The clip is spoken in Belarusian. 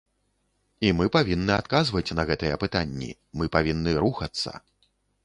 І мы павінны адказваць на гэтыя пытанні, мы павінны рухацца.